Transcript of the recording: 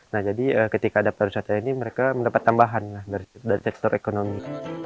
nah jadi ketika ada pariwisata ini mereka mendapat tambahan dari sektor ekonomi